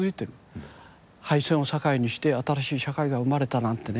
敗戦を境にして新しい社会が生まれたなんてね